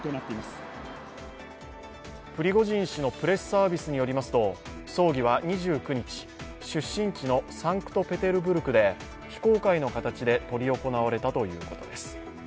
プリゴジン氏のプレスサービスによりますと葬儀は２９日、出身地のサンクトペテルブルクで非公開の形で執り行われたということです。